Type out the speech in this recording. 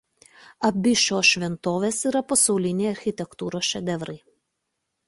Abi šios šventovės yra pasauliniai architektūros šedevrai.